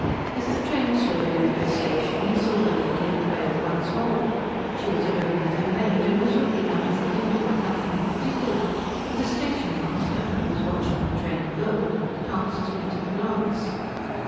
As the train slowly left the station he saw the lady in the veil once more. She was alone with her maid, and was looking out of the window at nothing in particular, and the station master, who was watching the train go, chanced to meet her glance.